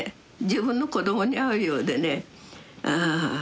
自分の子供に会うようでね。